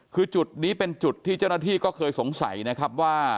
คือจุดนี้เป็นจุดที่เจ้าหน้าที่ก็เคยสงสัยนะครับว่า